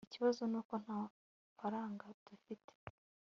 ikibazo nuko nta faranga dufite